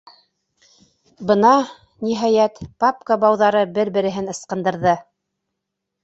Бына, ниһәйәт, папка бауҙары бер-береһен ысҡындырҙы.